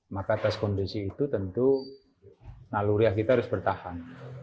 maka atas kondisi itu tentu naluriah kita harus bertahan